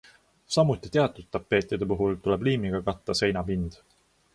Samuti teatud tapeetide puhul tuleb liimiga katta seinapind.